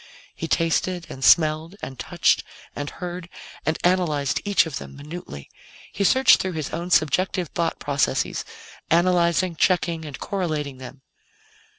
He tasted and smelled and touched and heard and analyzed each of them minutely. He searched through his own subjective thought processes, analyzing, checking and correlating them.